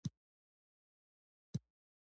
ټول په لوی خوب پرېوتل.